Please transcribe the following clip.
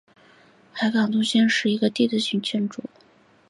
海港中心是加拿大卑诗省温哥华市中心一座地标性建筑。